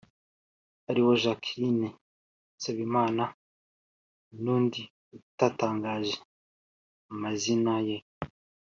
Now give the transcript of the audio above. aribo Jacqueline Nsabimana n’undi utatangaje amazi ye